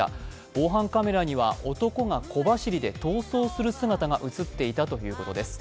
防犯カメラには男が小走りで逃走する姿が映っていたといいます。